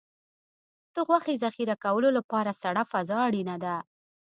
د غوښې ذخیره کولو لپاره سړه فضا اړینه ده.